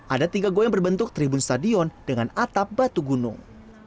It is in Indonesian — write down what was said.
ada tiga go yang berbentuk tribun stadion dengan atap batu gunung